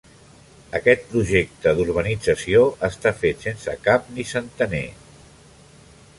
Aquest projecte d'urbanització està fet sense cap ni centener.